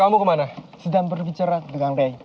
kan merindasi lo bayang